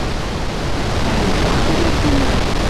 Ӓль уж ак ужеп тинӓр?